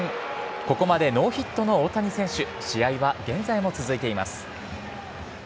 ここまでノーヒットの大谷選手試合は現在も続いています。